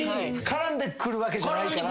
絡んでくるわけでもない。